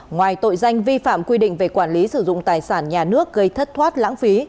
ngoài tội danh vi phạm quy định về quản lý sử dụng tài sản nhà nước gây thất thoát lãng phí